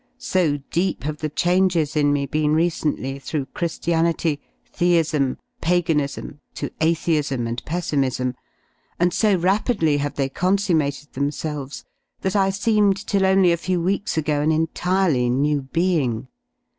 So deep have the changes in me been recently through Chri^ianity, Theism, Pagan ism, to Atheism and Pessimism, and so rapidly have they consummated themselves, that I seemed till only a few weeks ago an entirely new being.